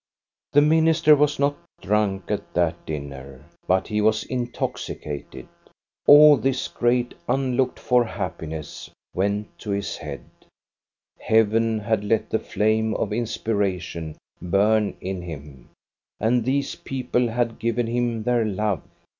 8 INTRODUCTION The minister was not drunk at that dinner, but he was intoxicated. All this great unlooked for happi ness went to his head. Heaven had let the flame of inspiration burn in him, and these people had given him their love.